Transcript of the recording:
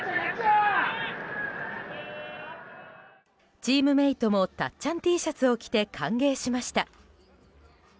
チームメートもたっちゃんＴシャツを着て歓迎しました。